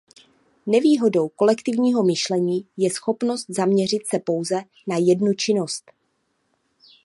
Nevýhodou kolektivního myšlení je schopnost zaměřit se pouze na jednu činnost.